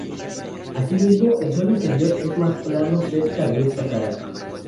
Asimismo, el suelo interior es más plano cerca de esta cara.